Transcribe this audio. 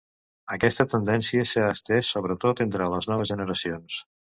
Aquesta tendència s’ha estès sobretot entre les noves generacions.